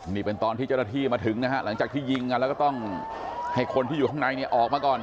นี่เป็นตอนที่เจ้าหน้าที่มาถึงนะฮะหลังจากที่ยิงกันแล้วก็ต้องให้คนที่อยู่ข้างในเนี่ยออกมาก่อน